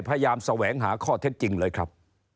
แสวงหาข้อเท็จจริงเลยครับ